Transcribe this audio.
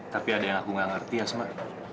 tapi ada yang aku gak ngerti asma